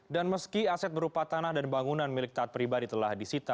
dan meski aset berupa tanah dan bangunan milik taat pribadi telah disita